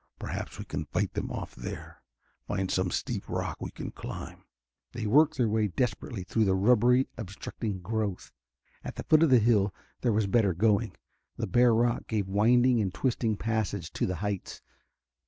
Perhaps we can fight them off there find some steep rock we can climb." They worked their way desperately through the rubbery, obstructing growth. At the foot of the hill there was better going; the bare rock gave winding and twisting passage to the heights.